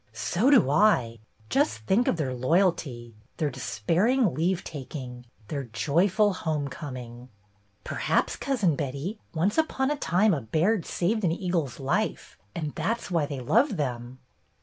"So do I ! Just think of their loyalty, their despairing leave taking, their joyful home coming !" "Perhaps, Cousin Betty, once upon a time a Baird saved an eagle's life, and that 's why they love them."